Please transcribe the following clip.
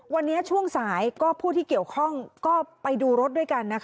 วันนี้ช่วงสายผู้ที่เกี่ยวข้องก็ไปดูรถด้วยกันนะคะ